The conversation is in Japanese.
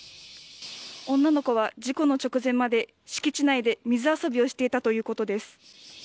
女の子は事故の直前まで、敷地内で水遊びをしていたということです。